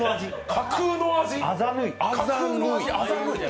架空の味。